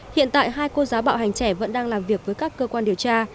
hiện tại hai cô giáo bạo hành trẻ vẫn đang làm việc với các cơ quan điều tra